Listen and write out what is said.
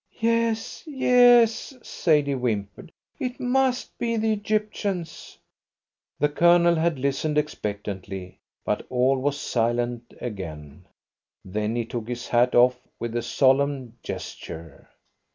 "Yes, yes," Sadie whimpered. "It must be the Egyptians." The Colonel had listened expectantly, but all was silent again. Then he took his hat off with a solemn gesture.